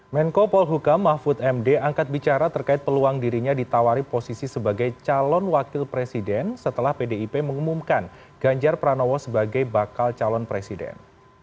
menko polhuka mahfud md angkat bicara terkait peluang dirinya ditawari posisi sebagai calon wakil presiden setelah pdip mengumumkan ganjar pranowo sebagai bakal calon presiden